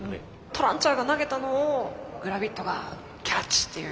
トランチャーが投げたのをグラビットがキャッチっていう。